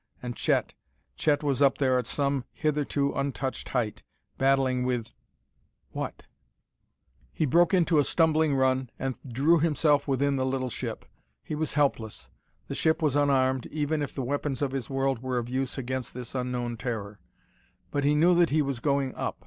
And Chet Chet was up there at some hitherto untouched height, battling with what? He broke into a stumbling run and drew himself within the little ship. He was helpless; the ship was unarmed, even if the weapons of his world were of use against this unknown terror; but he knew that he was going up.